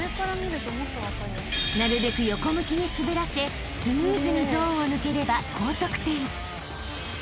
［なるべく横向きに滑らせスムーズにゾーンを抜ければ高得点］